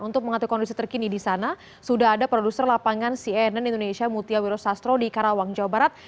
untuk mengatur kondisi terkini di sana sudah ada produser lapangan cnn indonesia mutia wiro sastro di karawang jawa barat